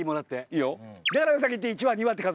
いいよ。